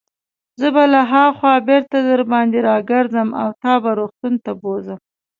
زه به له هاخوا بیرته درباندې راګرځم او تا به روغتون ته بوزم.